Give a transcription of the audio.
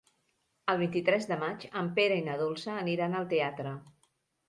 El vint-i-tres de maig en Pere i na Dolça aniran al teatre.